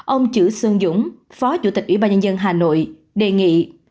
ông chữ xuân dũng phó chủ tịch ủy ban nhân dân hà nội đề nghị